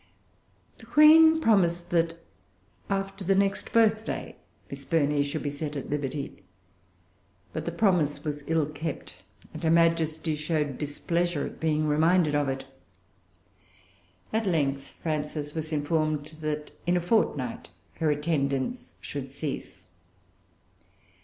The Queen promised that, after the next birthday, Miss Burney should be set at liberty. But the promise was ill kept; and her Majesty showed displeasure at being reminded of it. At length Frances was informed that in a fortnight her attendance should cease.